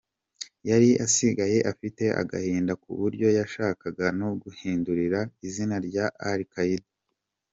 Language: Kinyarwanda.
Yari asigaye afite agahinda kuburyo yashakaga no guhindura izina rya Al Qaida.